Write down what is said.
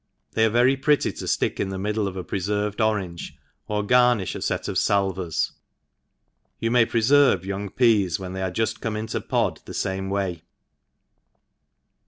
— They are very pretty to flick ia the middle of a preferved orange, or. garniifa a fet of falvcrs. — ^You may prefer ve young peas wh€X| they are juft come into pod the fame way.